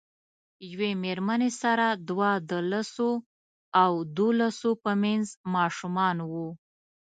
یوې میرمنې سره دوه د لسو او دولسو په منځ ماشومان وو.